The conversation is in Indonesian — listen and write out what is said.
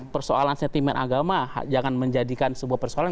persoalan sentimen agama jangan menjadikan sebuah persoalan